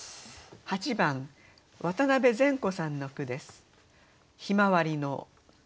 ８番渡部全子さんの句です。